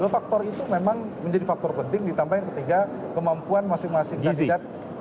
dua faktor itu memang menjadi faktor penting ditambah yang ketiga kemampuan masing masing kandidat